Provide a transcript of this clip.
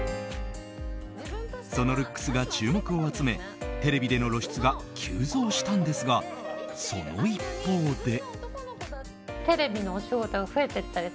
そのルックスが注目を集めテレビでの露出が急増したんですが、その一方で。